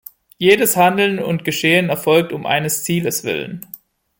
Jedes Handeln und Geschehen erfolgt um eines Zieles willen.